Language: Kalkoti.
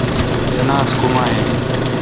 جناز کوما این۔